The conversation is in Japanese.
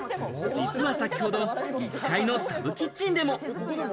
実は先ほど１階のサブキッチンでも。